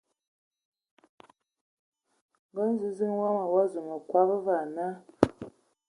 Nga nziziŋ wama o azu ma kɔb va ana.